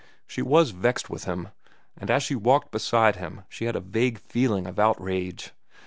She was vexed with him, and as she walked beside him she had a vague feeling of outrage.